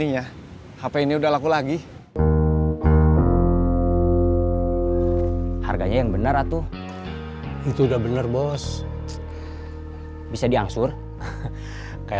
sampai jumpa di video selanjutnya